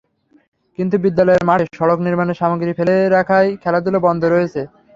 কিন্তু বিদ্যালয়ের মাঠে সড়ক নির্মাণের সামগ্রী ফেলে রাখায় খেলাধুলা বন্ধ রয়েছে।